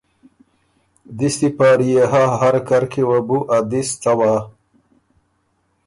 دِستی پاړی يې هۀ هر کر کی وه بُو ا دِس څوا،